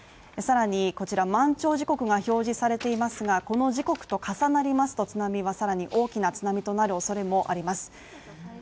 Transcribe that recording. さらにこちら満潮時刻が表示されていますがこの時刻と重なりますと津波はさらに大きな津波となるおそれもあります